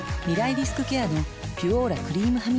リスクケアの「ピュオーラ」クリームハミガキ